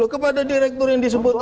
kepada direktur yang disebut